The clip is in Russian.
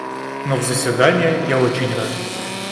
Но в заседание я очень рад.